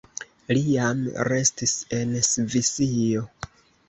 Li jam restis en Svisio.